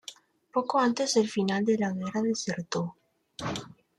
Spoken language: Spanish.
Poco antes del final de la guerra desertó.